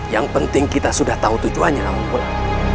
yang penting kita sudah tahu tujuannya apapun